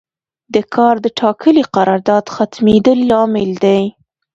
د کار د ټاکلي قرارداد ختمیدل لامل دی.